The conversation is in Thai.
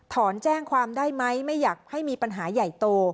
ถอนแจ้งความได้ไหมไม่อยากให้มีปัญหาใหญ่โต